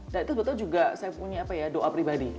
dan itu sebetulnya juga saya punya doa pribadi